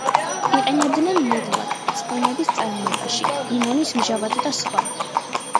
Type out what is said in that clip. იყენებენ ნედლად, წვენების წარმოებაში, ლიმონის მჟავად და სხვა.